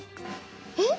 えっ